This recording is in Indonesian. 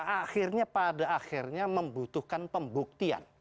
akhirnya pada akhirnya membutuhkan pembuktian